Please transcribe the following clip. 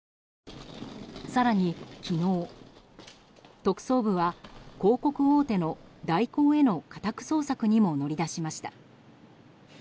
更に昨日、特捜部は広告大手の大広への家宅捜索にも乗り出しました。